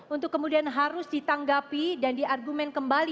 untuk kemudian harus ditanggapi dan diargumen kembali